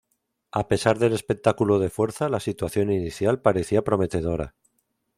A pesar del espectáculo de fuerza, la situación inicial parecía prometedora.